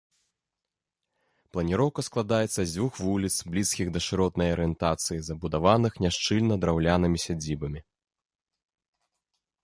Планіроўка складаецца з дзвюх вуліц, блізкіх да шыротнай арыентацыі, забудаваных няшчыльна драўлянымі сядзібамі.